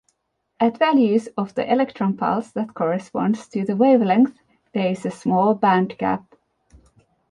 At values of the electron pulse that correspond to the wavelength, there is a small band gap.